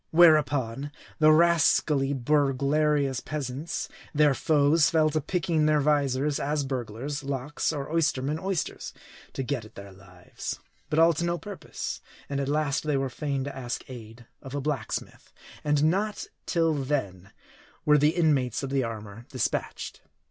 Whereupon, the rascally burglarious peasants, their foes, fell to picking their visors ; as burglars, locks ; or oystermen, oysters ; to get at their lives. But all to no purpose. And at last they were fain to ask aid of a blacksmith ; and not till then, were the inmates of the armor dispatched.